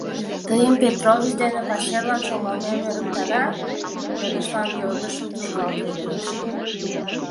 — Тыйым Петрович дене пачерлан шогалмем ӧрыктара? — йодышлан йодышым тушкалтыш Гриша.